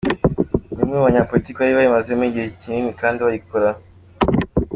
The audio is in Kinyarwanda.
Ni umwe mu banyapolitiki bari bayimazemo igihe kandi bayikora.